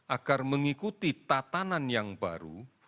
agar mengikuti tatanan yang baru